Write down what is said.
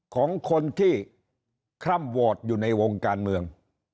ของคนที่คล่ำวอร์ดอยู่ในวงการเมือง